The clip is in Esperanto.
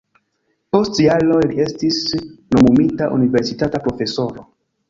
Post jaroj li estis nomumita universitata profesoro.